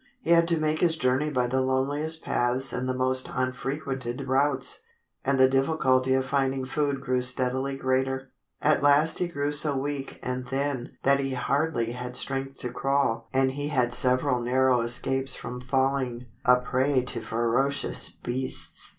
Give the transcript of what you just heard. He had to make his journey by the loneliest paths and the most unfrequented routes, and the difficulty of finding food grew steadily greater. At last he grew so weak and thin that he hardly had strength to crawl and he had several narrow escapes from falling a prey to ferocious beasts.